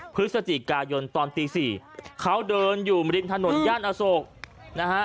พฤศจิกายนตอนตี๔เขาเดินอยู่ริมถนนย่านอโศกนะฮะ